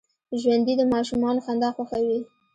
ژوندي د ماشومانو خندا خوښوي